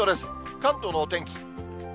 関東のお天気。